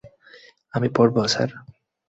আমি পড়ব, স্যার।